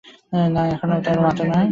না, এ তো মাতা নয়।